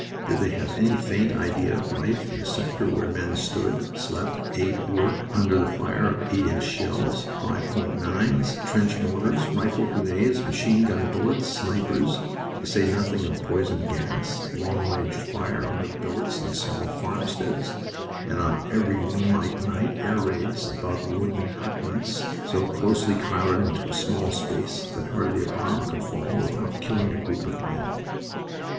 Did they have any faint idea of life in a sector where men stood, slept, ate, worked, under the fire of eight inch shells, five point nines, trench mortars, rifle grenades, machine gun bullets, snipers, to say nothing of poison gas, long range fire on the billets in small farmsteads, and on every moonlight night air raids above wooden hutments so closely crowded into a small space that hardly a bomb could fall without killing a group of men.